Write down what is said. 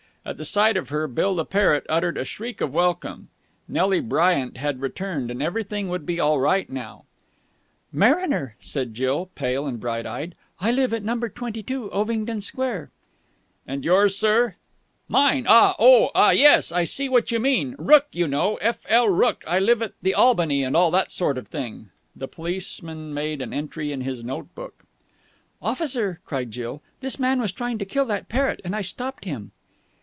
At the sight of her Bill the parrot uttered a shriek of welcome. Nelly Bryant had returned, and everything would now be all right again. "Mariner," said Jill, pale and bright eyed. "I live at Number Twenty two, Ovingdon Square." "And yours, sir?" "Mine? Oh, ah, yes. I see what you mean. Rooke, you know. F. L. Rooke. I live at the Albany and all that sort of thing." The policeman made an entry in his note book. "Officer," cried Jill, "this man was trying to kill that parrot and I stopped him...."